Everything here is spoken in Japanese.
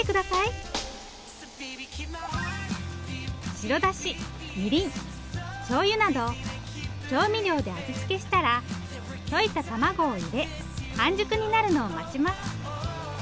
白だしみりんしょうゆなど調味料で味付けしたら溶いたたまごを入れ半熟になるのを待ちます。